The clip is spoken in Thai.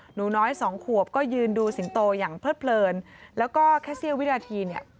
หนูน้อยสองขวบก็ยืนดูสิงโตอย่างเลิดเพลินแล้วก็แค่เสี้ยววินาทีเนี่ย